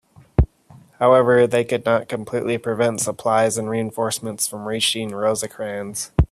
However, they could not completely prevent supplies and reinforcements from reaching Rosecrans.